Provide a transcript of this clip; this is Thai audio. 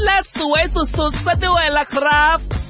และสวยสุดซะด้วยล่ะครับ